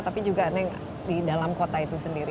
tapi juga yang di dalam kota itu sendiri